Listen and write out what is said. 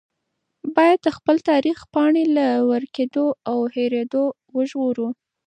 باید د خپل تاریخ پاڼې له ورکېدو او هېرېدو وژغورو.